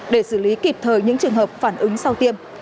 để xử lý kịp thời những trường hợp phản ứng sau tiêm